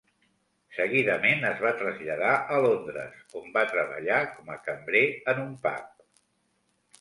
Seguidament es va traslladar a Londres, on va treballar com a cambrer en un pub.